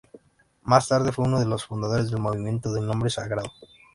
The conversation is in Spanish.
Más tarde fue uno de los fundadores del Movimiento del Nombre Sagrado.